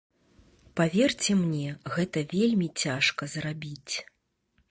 Паверце мне, гэта вельмі цяжка зрабіць.